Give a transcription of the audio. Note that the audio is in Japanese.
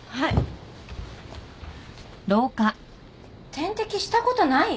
点滴したことない！？